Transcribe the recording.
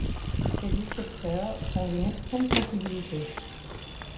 Ces détecteurs sont d'une extrême sensibilité.